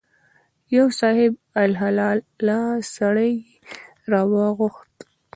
یو صاحب الحاله سړی یې راوغوښت.